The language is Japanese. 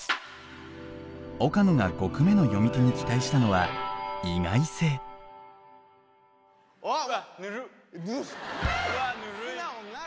岡野が５句目の詠み手に期待したのはわっぬるっ。